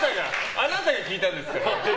あなたが聞いたんですからね。